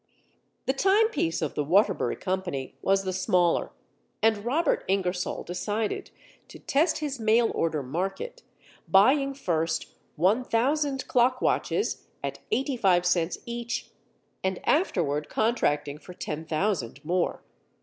The timepiece of the Waterbury Company was the smaller, and Robert Ingersoll decided to test his mail order market, buying first, one thousand clock watches at eighty five cents each, and afterward contracting for ten thousand more.